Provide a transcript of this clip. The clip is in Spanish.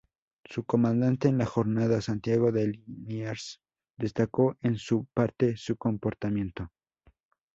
Su comandante en la jornada, Santiago de Liniers, destacó en su parte su comportamiento.